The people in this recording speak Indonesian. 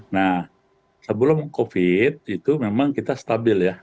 nah sebelum covid itu memang kita stabil ya